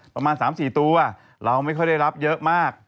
ประมาณ๓๔ตัวเราไม่ค่อยได้รับเยอะมาก